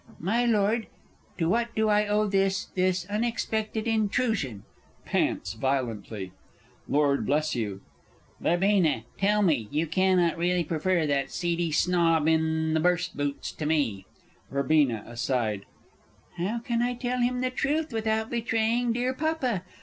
_) My lord, to what do I owe this this unexpected intrusion? [Pants violently. Lord Bl. Verbena, tell me, you cannot really prefer that seedy snob in the burst boots to me? Verb. (aside). How can I tell him the truth without betraying dear Papa?